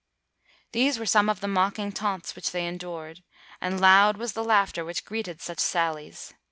"These were some of the mocking taunts which they endured, and loud was the laugh ter which greeted such sallies.